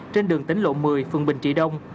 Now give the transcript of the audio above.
trên đường tỉnh lộ một mươi phường bình trị đông